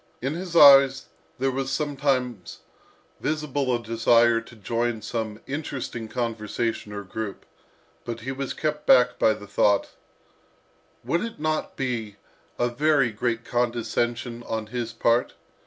In his eyes, there was sometimes visible a desire to join some interesting conversation or group, but he was kept back by the thought, "Would it not be a very great condescension on his part?